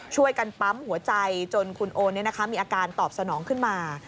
ช่วยกันปั๊มหัวใจจนคุณโอมีอาการตอบสนองขึ้นมา